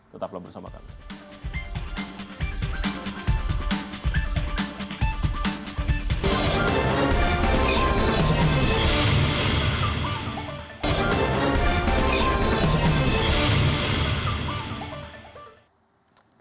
tetap lo bersama kami